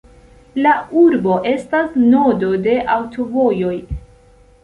La urbo estas nodo de aŭtovojoj.